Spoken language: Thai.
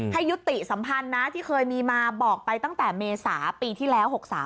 ให้ยุติสัมพันธ์นะที่เคยมีมาบอกไปตั้งแต่เมษาปีที่แล้ว๖๓